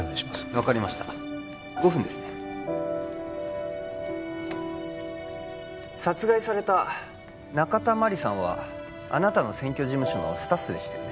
分かりました５分ですね殺害された中田麻里さんはあなたの選挙事務所のスタッフでしたよね